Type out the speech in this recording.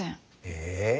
ええ。